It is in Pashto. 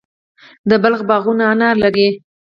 د بلخ باغونه انار لري.